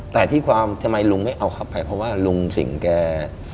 แต่ที่ความทำไมลุงไม่เอาขับไปเพราะว่าลุงสิงห์แก